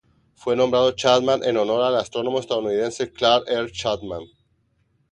Fue nombrado Chapman en honor al astrónomo estadounidense Clark R. Chapman.